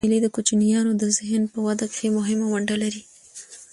مېلې د کوچنيانو د ذهن په وده کښي مهمه ونډه لري.